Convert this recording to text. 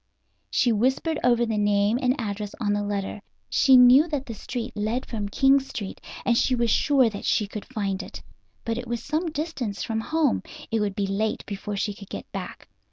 She whispered over the name and address on the letter. She knew that the street led from King Street, and she was sure that she could find it. But it was some distance from home; it would be late before she could get back.